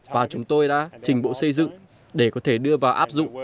và chúng tôi đã trình bộ xây dựng để có thể đưa vào áp dụng